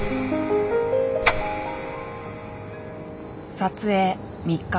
撮影３日目。